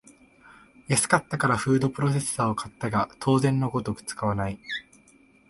安かったからフードプロセッサーを買ったが当然のごとく使わない